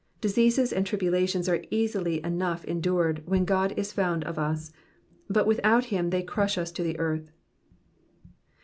Diseases and tribulations are easily enough endured when God is found of us, but without him they crush us to the earth.